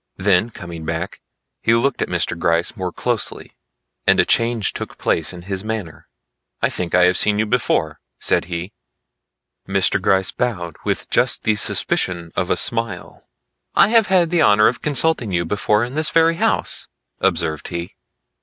Then coming back, he looked at Mr. Gryce more closely and a change took place in his manner. "I think I have seen you before," said he. Mr. Gryce bowed with just the suspicion of a smile. "I have had the honor of consulting you before in this very house," observed he.